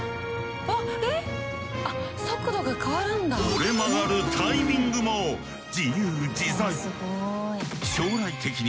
折れ曲がるタイミングも自由自在！